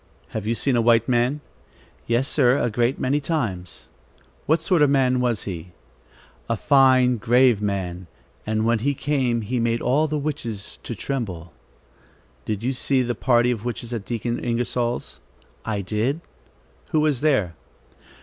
"Have you seen a white man?" "Yes sir, a great many times." "What sort of a man was he?" "A fine, grave man, and when he came, he made all the witches to tremble." "Did you see the party of witches at Deacon Ingersol's?" "I did." "Who was there?"